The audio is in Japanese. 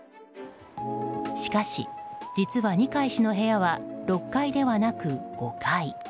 しかし、実は二階氏の部屋は６階ではなく５階。